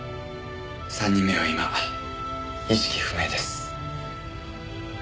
３人目は今意識不明です。